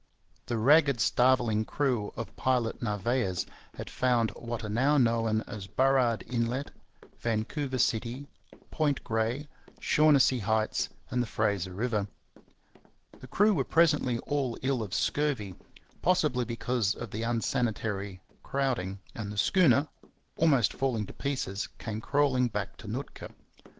The ragged starveling crew of Pilot Narvaez had found what are now known as Burrard Inlet, Vancouver City, Point Grey, Shaughnessy Heights, and the Fraser River. The crew were presently all ill of scurvy, possibly because of the unsanitary crowding, and the schooner, almost falling to pieces, came crawling back to Nootka.